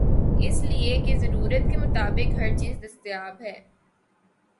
اس لئے کہ ضرورت کے مطابق ہرچیز دستیاب ہے۔